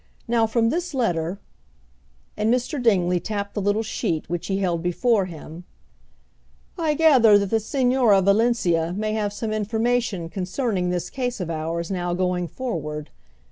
Now from this letter," and Mr. Dingley tapped the little sheet which he held before him, "I gather that the Señora Valencia may have some information concerning this case of ours now going forward.